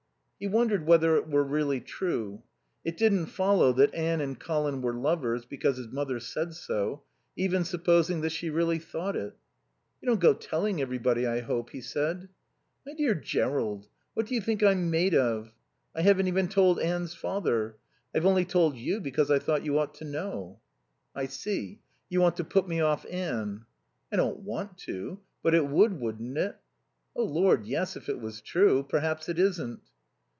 He wondered whether it were really true. It didn't follow that Anne and Colin were lovers because his mother said so; even supposing that she really thought it. "You don't go telling everybody, I hope?" he said. "My dear Jerrold, what do you think I'm made of? I haven't even told Anne's father. I've only told you because I thought you ought to know." "I see; you want to put me off Anne?" "I don't want to. But it would, wouldn't it?" "Oh Lord, yes, if it was true. Perhaps it isn't."